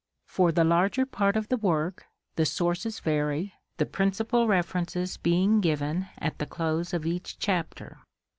For the larger part of the work, the sources vary, the principal references being given at the close of each chapter.